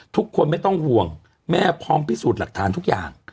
ทุกคนไม่ต้องห่วงแม่พร้อมพิสูจน์หลักฐานทุกอย่าง